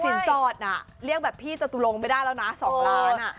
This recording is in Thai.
สินสอดน่ะเรียกแบบพี่จตุลงไม่ได้แล้วนะ๒ล้าน